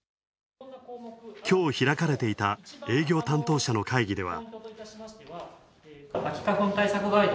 きょう開かれていた営業担当者の会議では。